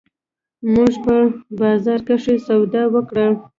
مونږه په بازار کښې سودا وکړه